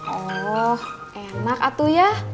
oh enak atuh ya